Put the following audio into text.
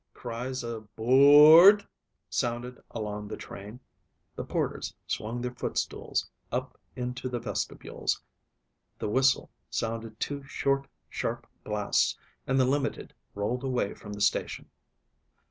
Cries of "boooo ard," sounded along the train. The porters swung their footstools up into the vestibules, the whistle sounded two short, sharp blasts, and the limited rolled away from the station.